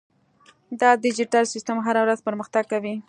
دا ډیجیټل سیستم هره ورځ پرمختګ کوي.